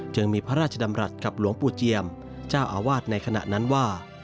มีพระราชดำรัฐกับหลวงปู่เจียมเจ้าอาวาสในขณะนั้นว่า